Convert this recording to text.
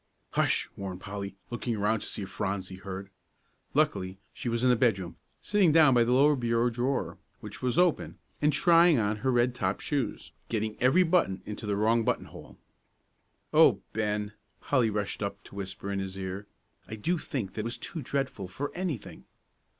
"Hush!" warned Polly, looking around to see if Phronsie heard. Luckily, she was in the bedroom, sitting down by the lower bureau drawer, which was open, and trying on her red topped shoes, getting every button into the wrong button hole. "Oh, Ben," Polly rushed up to whisper in his ear, "I do think that was too dreadful for anything."